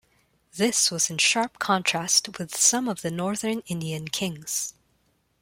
This was in sharp contrast with some of the northern Indian kings.